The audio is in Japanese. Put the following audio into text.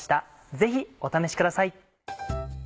ぜひお試しください。